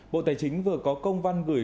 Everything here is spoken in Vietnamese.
bộ tài chính vừa có công văn gửi